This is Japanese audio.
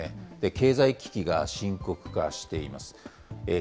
経済危機が深刻化しています。